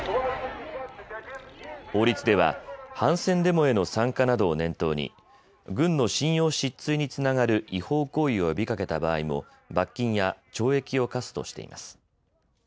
法律では反戦デモへの参加などを念頭に軍の信用失墜につながる違法行為を呼びかけた場合も罰金や懲役を科すとしています。